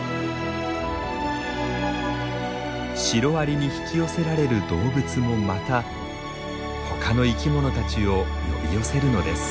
シロアリに引き寄せられる動物もまた他の生き物たちを呼び寄せるのです。